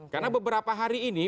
karena beberapa hari ini